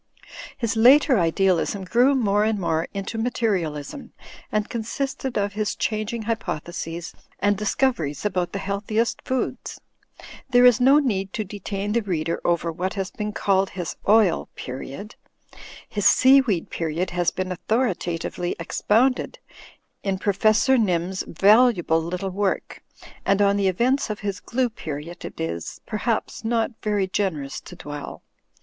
His later idealism grew more and more into materialism and consisted of his changing hypotheses and discoveries about the healthiest foods. There is no need to detain the reader over what has been called his Oil Period ; his Sea weed Period has been authoritatively expounded in Professor Nym's valuable little work; and on the events of his Glue Period it is, perhaps, not very gen erous to dwell.